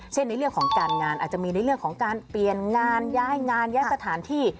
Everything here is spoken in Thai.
ในเรื่องของการงานอาจจะมีในเรื่องของการเปลี่ยนงานย้ายงานย้ายสถานที่